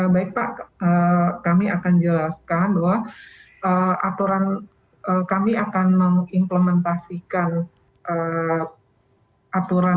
baik pak kami akan jelaskan bahwa aturan kami akan mengimplementasikan aturan